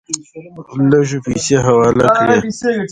لږې پیسې حواله کړې.